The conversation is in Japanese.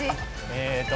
えーっと。